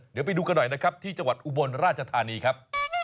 เดี๋ยวไปดูกันหน่อยนะครับที่จังหวัดอุบลราชธานีครับ